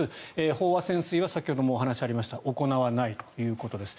飽和潜水は先ほどもお話ありました行わないということです。